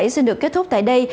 xin được kết thúc tại đây